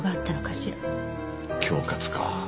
恐喝か。